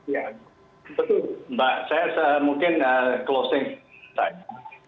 ya betul mbak saya mungkin closing terkait dengan apa yang saya katakan